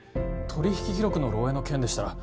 取引記録の漏えいの件でしたら